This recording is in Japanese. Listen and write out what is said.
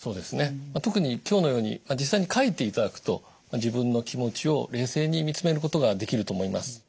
特に今日のように実際に書いていただくと自分の気持ちを冷静に見つめることができると思います。